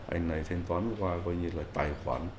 anh này thanh toán qua tài khoản